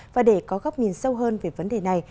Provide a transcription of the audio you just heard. và để có góc nhìn sâu hơn về vấn đề này